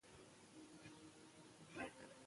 ډاکټران وايي خوشحالۍ ته رسېدل علمي لاره لري.